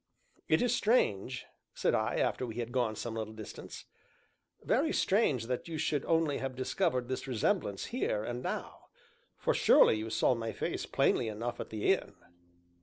"It is strange," said I, after we had gone some little distance, "very strange that you should only have discovered this resemblance here, and now, for surely you saw my face plainly enough at the inn."